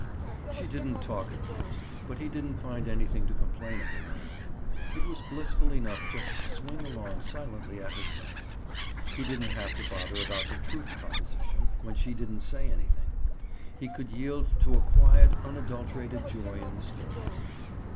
She didn't talk at first, but he didn't find anything to complain of in that. It was blissful enough just to swing along silently at her side. He didn't have to bother about the truth proposition when she didn't say anything. He could yield to a quiet unadulterated joy in the stillness.